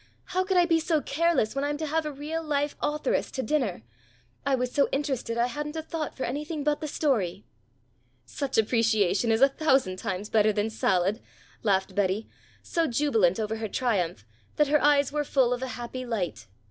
How could I be so careless when I'm to have a real live authoress to dinner? I was so interested I hadn't a thought for anything but the story." "Such appreciation is a thousand times better than salad," laughed Betty, so jubilant over her triumph that her eyes were full of a happy light.